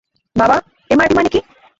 বাবা, এমআরপি মানে কি?